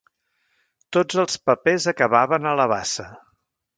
Tots els papers acabaven a la bassa.